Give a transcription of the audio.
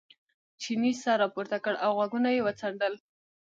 چیني سر را پورته کړ او غوږونه یې وڅنډل.